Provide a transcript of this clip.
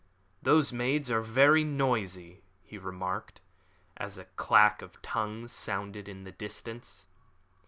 "Those maids are very noisy," he remarked, as a clack of tongues sounded in the distance.